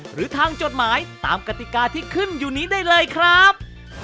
หรือทางจดหมายตามกติกาที่ขึ้นอยู่นี้ได้เลยครับ